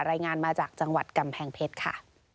รายงานมาจากจังหวัดกำแพงเพชรค่ะ